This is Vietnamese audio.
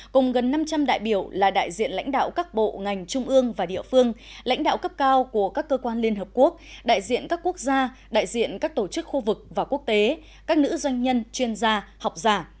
cùng gần năm trăm linh đại biểu là đại diện lãnh đạo các bộ ngành trung ương và địa phương lãnh đạo cấp cao của các cơ quan liên hợp quốc đại diện các quốc gia đại diện các tổ chức khu vực và quốc tế các nữ doanh nhân chuyên gia học giả